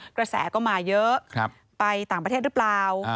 กระแสก็มาเยอะไปต่างประเทศหรือเปล่า